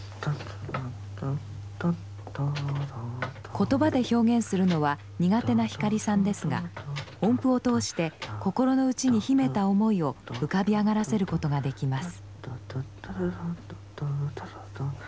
言葉で表現するのは苦手な光さんですが音符を通して心の内に秘めた思いを浮かび上がらせることができます。